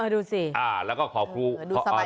ดูสิดูสบายใจขึ้น